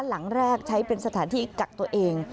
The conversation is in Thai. หลังแรกใช้เป็นสถานที่กักตัวเอง